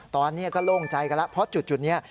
ตอนนี้ก็โล่งใจกันแล้วเพราะจุดนี้